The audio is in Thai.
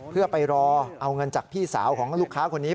เพื่อไปรอเอาเงินจากพี่สาวของลูกค้าคนนี้